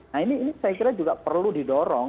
nah ini saya kira juga perlu didorong